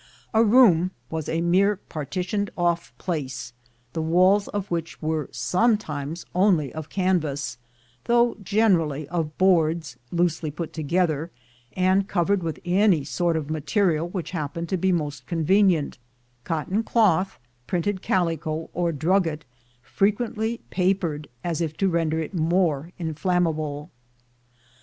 A room was a mere partitioned off place, the walls of which were sometimes only of can vas, though generally of boards, loosely put together, and covered with any sort of material which happened to be most convenient — cotton cloth, printed calico, or drugget, frequently papered, as if to render it more inflammable.